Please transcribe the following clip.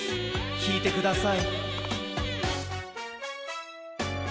きいてください。